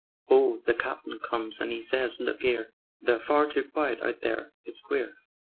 "Oh, the Captain comes and 'e says: 'Look 'ere! They're far too quiet out there: it's queer.